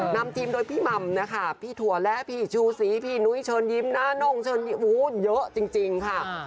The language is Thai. นำทีมโดยพี่หม่ำนะคะพี่ถั่วและพี่ชูศรีพี่นุ้ยเชิญยิ้มหน้าน่งเชิญเยอะจริงค่ะ